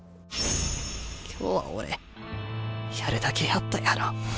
今日は俺やるだけやったやろ？